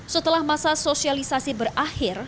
setelah masa sosialisasi berakhir